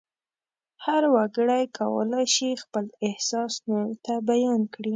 هر وګړی کولای شي خپل احساس نورو ته بیان کړي.